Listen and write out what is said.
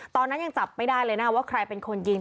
ตอนนั้นยังจับไม่ได้เลยนะว่าใครเป็นคนยิง